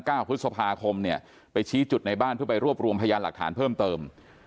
พฤษภาคมเนี่ยไปชี้จุดในบ้านเพื่อไปรวบรวมพยานหลักฐานเพิ่มเติม